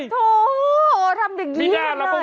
โธ่ทำอย่างนี้ด้วย